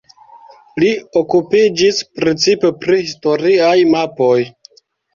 Li okupiĝis precipe pri historiaj mapoj.